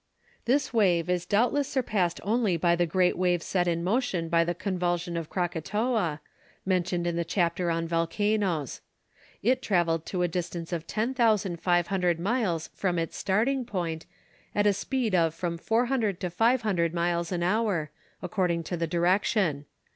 ] This wave is doubtless surpassed only by the great wave set in motion by the convulsion of Krakatoa, mentioned in the chapter on volcanoes. It travelled to a distance of 10,500 miles from its starting point, at a speed of from 400 to 500 miles an hour, according to the direction.